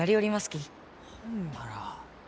ほんなら。